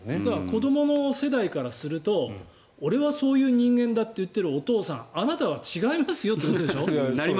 子どもの世代からすると俺はそういう人間だって言っているお父さん、あなたは違いますよということでしょ。